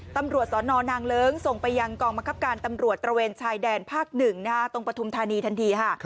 ตำรวจสนนางเลิ้งส่งไปยังกองบังคับการตำรวจตระเวนชายแดนภาค๑ตรงปฐุมธานีทันทีค่ะ